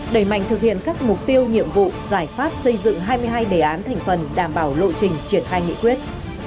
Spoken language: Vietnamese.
đẩy mạnh thực hiện các mục tiêu nhiệm vụ giải pháp xây dựng hai mươi hai đề án thành phần đảm bảo lộ trình triển khai nghị quyết